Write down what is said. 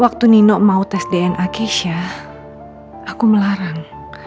waktu nino mau tes dna keisha aku melarang